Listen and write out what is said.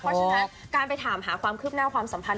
เพราะฉะนั้นการไปถามหาความคืบหน้าความสัมพันธ